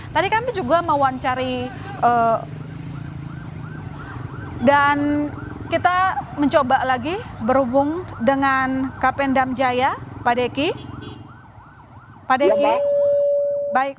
tadi kami juga mau mencari dan kita mencoba lagi berhubung dengan kapendam jaya pak deki